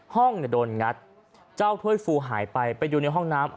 ห้องโดนงัดเจ้าถ้วยฟูหายไปไปดูในห้องน้ำ